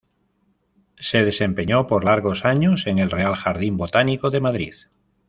Se desempeñó por largos años en el Real Jardín Botánico de Madrid.